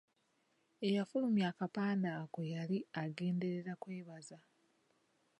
Eyafulumya akapande ako yali agenderera kwebaza.